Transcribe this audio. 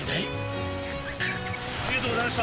ありがとうございます。